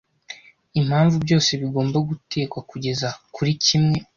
Impamvu byose bigomba gutekwa kugeza kuri kimwe